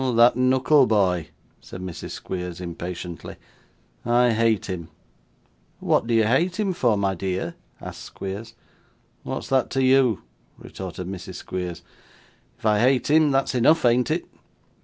'Oh! that Knuckleboy,' said Mrs. Squeers impatiently. 'I hate him.' 'What do you hate him for, my dear?' asked Squeers. 'What's that to you?' retorted Mrs. Squeers. 'If I hate him, that's enough, ain't it?